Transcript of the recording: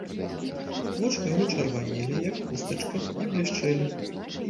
Вочы яго чырванелі, як хустачка, і блішчэлі.